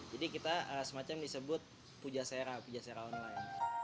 jadi kita semacam disebut puja sera puja sera online